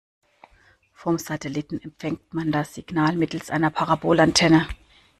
Vom Satelliten empfängt man das Signal mittels einer Parabolantenne.